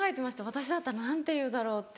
私だったら何て言うだろうって。